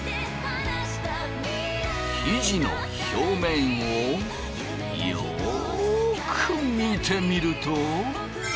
生地の表面をよく見てみると。